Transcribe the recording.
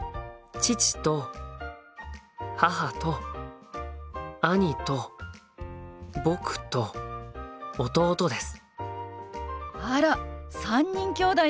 父と母と兄と僕と弟です。